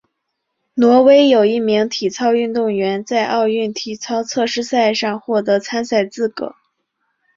挪威有一名体操运动员在奥运体操测试赛上获得参赛资格。